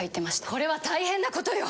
これは大変なことよ。